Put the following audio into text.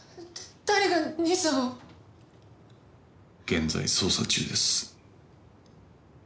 現在捜査中です。